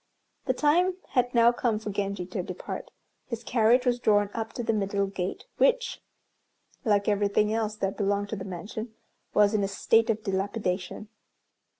The time had now come for Genji to depart. His carriage was drawn up to the middle gate, which, like everything else that belonged to the mansion, was in a state of dilapidation.